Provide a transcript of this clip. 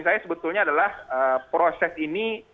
maksudnya adalah proses ini